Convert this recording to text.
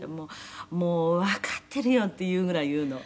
「“もうわかってるよ”っていうぐらい言うの」